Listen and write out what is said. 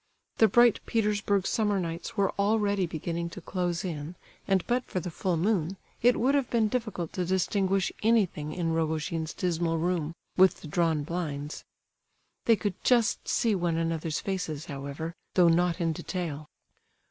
The bright Petersburg summer nights were already beginning to close in, and but for the full moon, it would have been difficult to distinguish anything in Rogojin's dismal room, with the drawn blinds. They could just see one anothers faces, however, though not in detail.